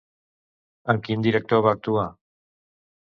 Amb quin director va actuar?